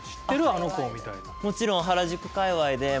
あの子」みたいな。